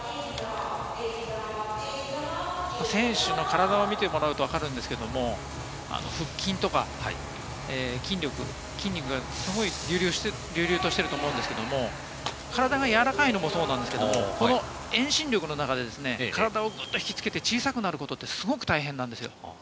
選手の体を見てもらうと分かるんですけれども、腹筋とか、筋力、筋肉が隆々としていると思うんですけれども、体がやわらかいのもそうなんですが、遠心力の中で体をぐっと引き付けて小さくなることって、すごく大変なんですよ。